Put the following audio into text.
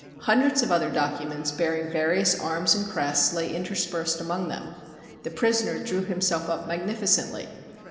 Hundreds of other documents bearing various arms and crests lay interspersed among them. The prisoner drew himself up magnificently.